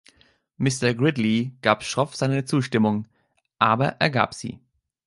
Mr. Gridley gab schroff seine Zustimmung — aber er gab sie.